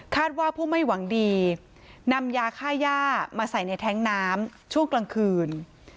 ว่าผู้ไม่หวังดีนำยาค่าย่ามาใส่ในแท้งน้ำช่วงกลางคืน